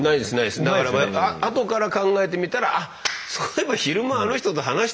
あとから考えてみたら「あっそういえば昼間あの人と話してたわ。